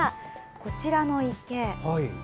こちらの池